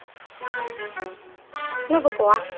暢子は？